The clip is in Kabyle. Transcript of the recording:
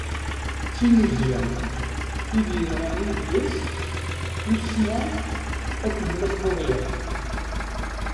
D tinnuzya, tid yenɣan idles, tussna akked d Mass Buḍyaf.